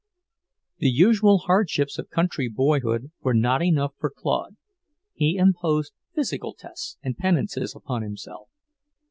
The usual hardships of country boyhood were not enough for Claude; he imposed physical tests and penances upon himself.